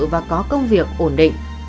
và có công việc ổn định